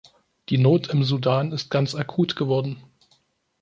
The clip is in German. Die Not im Sudan ist ganz akut geworden.